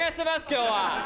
今日は！